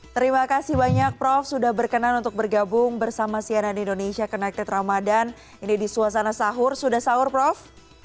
terima kasih banyak prof sudah berkenan untuk bergabung bersama cnn indonesia connected ramadan ini di suasana sahur sudah sahur prof